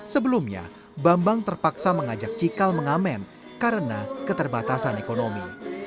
sebelumnya bambang terpaksa mengajak cikal mengamen karena keterbatasan ekonomi